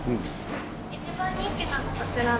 １番人気なのがこちらの。